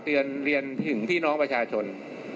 เรียนถึงพี่น้องประชาชน